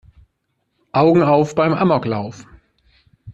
Augen auf beim Amoklauf!